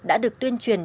đã được tuyên truyền